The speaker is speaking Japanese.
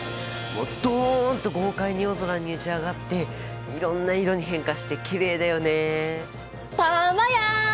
もうドンと豪快に夜空に打ち上がっていろんな色に変化してきれいだよね。